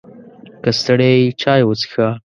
که ستړی یې، چای وڅښه!